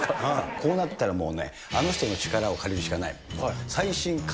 こうなったらもうね、あの人の力を借りるしかない。